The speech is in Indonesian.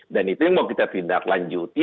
dan itu yang mau kita tindaklanjuti